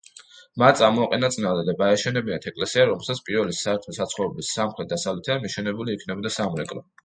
მან წამოაყენა წინადადება აეშენებინათ ეკლესია, რომელსაც პირველი საერთო საცხოვრებლის სამხრეთ-დასავლეთიდან მიშენებული ექნებოდა სამრეკლო.